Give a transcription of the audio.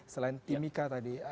selain timika tadi